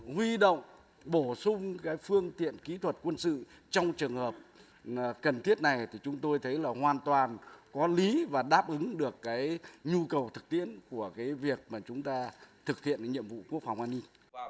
huy động bổ sung cái phương tiện kỹ thuật quân sự trong trường hợp cần thiết này thì chúng tôi thấy là hoàn toàn có lý và đáp ứng được cái nhu cầu thực tiễn của cái việc mà chúng ta thực hiện nhiệm vụ quốc phòng an ninh